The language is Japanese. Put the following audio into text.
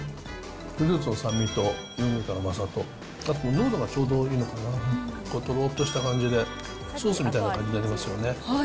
フルーツの酸味とヨーグルトの甘さと、濃度がちょうどいいのかな、とろっとした感じで、ソースみたいな感じになりますよね。